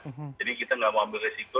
jadi kita nggak mau ambil resiko